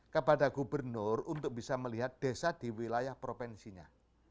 kepada gubernur untuk bisa melihat desa di wilayah provinsinya